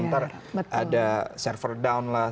ntar ada server down lah